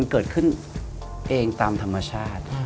เองตามธรรมชาติ